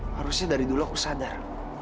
harusnya dari dulu aku sadar